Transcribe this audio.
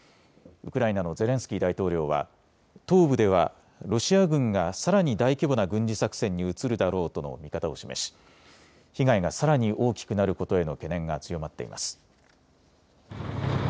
ウクライナのゼレンスキー大統領は東部ではロシア軍がさらに大規模な軍事作戦に移るだろうとの見方を示し被害がさらに大きくなることへの懸念が強まっています。